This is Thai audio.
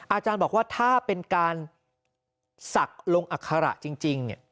อาจารย์บอกว่าถ้าเป็นการศักดิ์ลงอัคระจริง